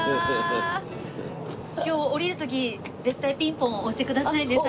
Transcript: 今日降りる時絶対ピンポン押してくださいね。